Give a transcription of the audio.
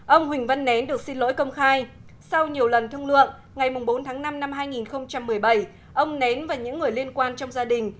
ông huỳnh văn nén được xin lỗi công khai sau nhiều lần thương lượng ngày bốn tháng năm năm hai nghìn một mươi bảy ông nén và những người liên quan trong gia đình